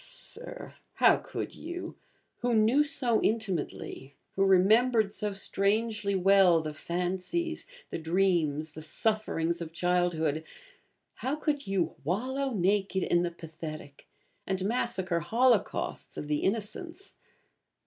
Ah, Sir, how could you who knew so intimately, who remembered so strangely well the fancies, the dreams, the sufferings of childhood how could you 'wallow naked in the pathetic,' and massacre holocausts of the Innocents?